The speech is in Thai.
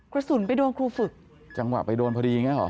กระสุนไปโดนครูฝึกจังหวะไปโดนพอดีอย่างเงี้เหรอ